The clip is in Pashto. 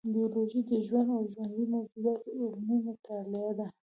بیولوژي د ژوند او ژوندي موجوداتو علمي مطالعه ده